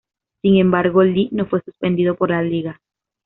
Sin embargo, Lee no fue suspendido por la liga.